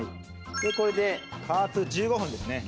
これで加圧１５分ですね。